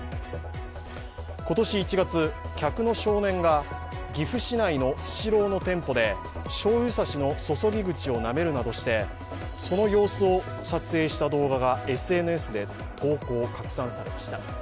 今年１月、客の少年が岐阜市内のスシローの店舗でしょうゆ差しの注ぎ口をなめるなどしてその様子を撮影した動画がＳＮＳで投稿・拡散されました。